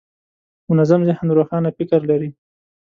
منظم ذهن روښانه فکر لري.